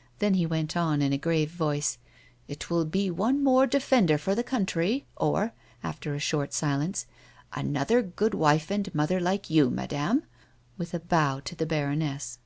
" Then he went on in a grave voice, " It will be one more defender for the country, or," after a short silence, "another good wife and mother like you, madame," with a bow to the baroness.